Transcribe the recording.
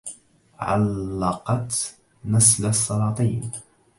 عَلَّقَتْ نسل السلاطين